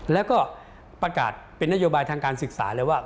แล้วก็ประกาศเป็นนโยบายทางการศึกษาเลยว่า